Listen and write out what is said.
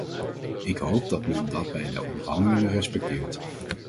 Ik hoop dat men dat bij de onderhandelingen respecteert.